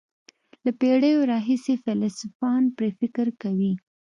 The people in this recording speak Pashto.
له پېړیو راهیسې فیلسوفان پرې فکر کوي.